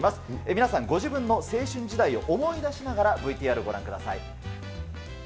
皆さん、ご自分の青春時代を思い出しながら、ＶＴＲご覧ください。